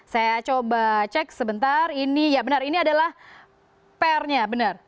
saya coba cek sebentar ini ya benar ini adalah pairnya benar